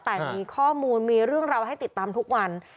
แต่มีข้อมูลมีเรื่องราวให้ติดตามทุกวัน